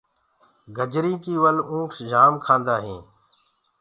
گجرينٚ ڪي ول اُنٺ جآم کآندآ هينٚ۔